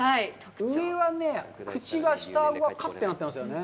上はね、口が、下顎がかってなってますよね。